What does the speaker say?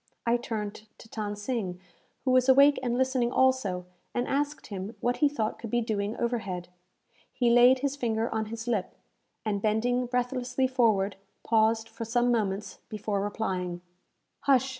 I turned to Than Sing, who was awake and listening also, and asked him what he thought could be doing overhead? He laid his finger on his lip, and, bending breathlessly forward, paused for some moments before replying. "Hush!"